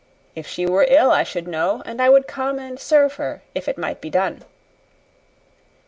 If she were ill I should know, and I would come and serve her if it might be done."